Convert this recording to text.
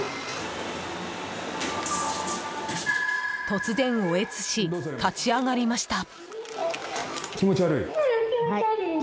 突然おえつし立ち上がりました。